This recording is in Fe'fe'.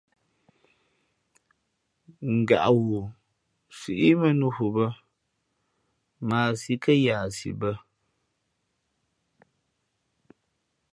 Ngaʼghoo síʼ mᾱnnū nhu bᾱ, mα a sī kά yahsi bά.